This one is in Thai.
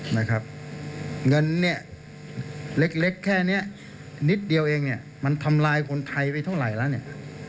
เงินเนี่ยเล็กแค่เนี่ยนิดเดียวเองเนี่ยมันทำลายคนไทยไปเท่าไหร่ละเนี่ย